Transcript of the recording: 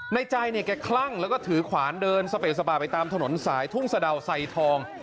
ในใจเนี่ยแกคลั่งแล้วก็ถือขวานเดินสเปสบาไปตามถนนสายทุ่งสะดาวไซทอง